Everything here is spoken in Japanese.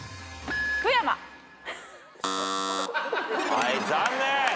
はい残念。